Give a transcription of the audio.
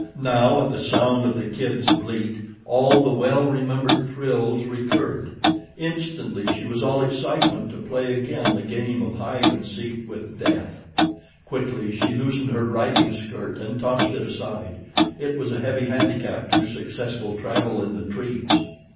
Now, at the sound of the kid's bleat, all the well remembered thrills recurred. Instantly she was all excitement to play again the game of hide and seek with death. Quickly she loosened her riding skirt and tossed it aside—it was a heavy handicap to successful travel in the trees.